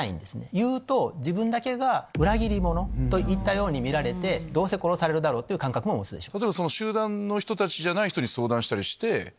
言うと自分だけが裏切り者といったように見られてどうせ殺されるだろうっていう感覚も持つでしょう。